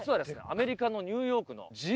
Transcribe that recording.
アメリカのニューヨークの。え！